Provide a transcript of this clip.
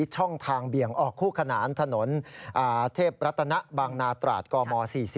ช่องทางเบี่ยงออกคู่ขนานถนนเทพรัตนบางนาตราดกม๔๔